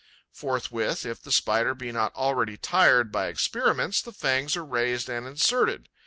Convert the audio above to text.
Forthwith, if the Spider be not already tired by experiments, the fangs are raised and inserted.